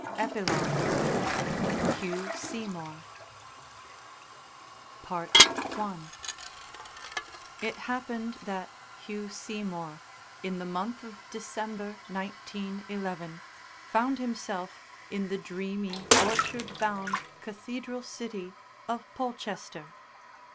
EPILOGUE HUGH SEYMOUR I It happened that Hugh Seymour, in the month of December, 1911, found himself in the dreamy orchard bound cathedral city of Polchester.